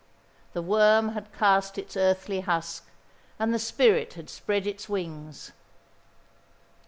The worm had cast its earthly husk, and the spirit had spread its wings.